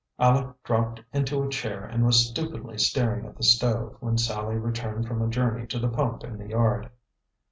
Aleck dropped into a chair and was stupidly staring at the stove when Sallie returned from a journey to the pump in the yard.